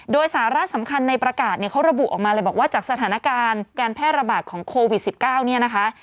โดยสาระสำคัญในประกาศเนี่ยเขาระบุออกมาเลยบอกว่าจากสถานการณ์การแพร่ระบาดของโควิด๑๙เนี่ยนะคะ